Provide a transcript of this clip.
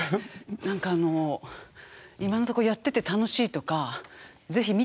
何かあの今のとこやってて楽しいとかでしょう？